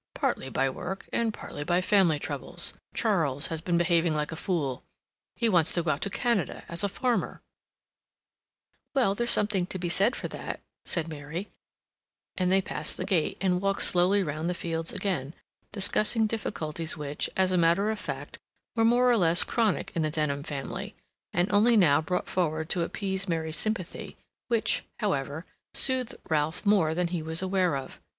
"Partly by work, and partly by family troubles. Charles has been behaving like a fool. He wants to go out to Canada as a farmer—" "Well, there's something to be said for that," said Mary; and they passed the gate, and walked slowly round the Fields again, discussing difficulties which, as a matter of fact, were more or less chronic in the Denham family, and only now brought forward to appease Mary's sympathy, which, however, soothed Ralph more than he was aware of.